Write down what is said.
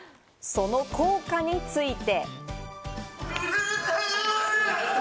その効果について。